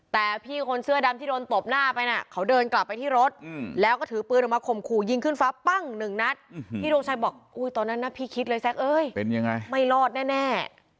แต่พี่คนเสื้อดำที่โดนตบหน้าไปน่ะเขาเดินกลับไปที่รถแล้วก็ถือปืนออกมาข่มขู่ยิงขึ้นฟ้าปั้งหนึ่งนัดพี่ดวงชัยบอกอุ้ยตอนนั้นนะพี่คิดเลยแซ็กเอ้ยเป็นยังไงไม่รอดแน่